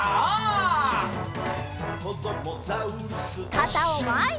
かたをまえに！